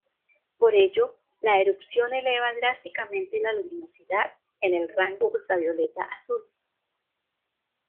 Por ello, la erupción eleva drásticamente la luminosidad en el rango ultravioleta-azul.